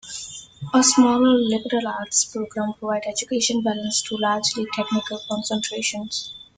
A smaller liberal arts program provides educational balance to the largely technical concentrations.